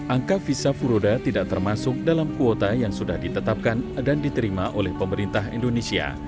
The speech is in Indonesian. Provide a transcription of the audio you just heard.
angka visa furoda tidak termasuk dalam kuota yang sudah ditetapkan dan diterima oleh pemerintah indonesia